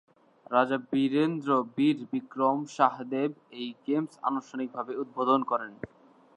রাজা বীরেন্দ্র বীর বিক্রম শাহ দেব এই গেমস আনুষ্ঠানিকভাবে উদ্বোধন করেন।